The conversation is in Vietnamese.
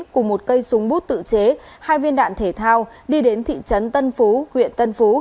cùng một cây súng bút tự chế hai viên đạn thể thao đi đến thị trấn tân phú huyện tân phú